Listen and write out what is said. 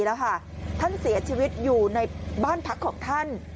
แล้วค่ะท่านเสียชีวิตอยู่ในบ้านพักของท่าน